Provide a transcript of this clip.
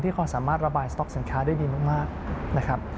ที่ความสามารถระบายสต๊อกสินค้าได้ดีมาก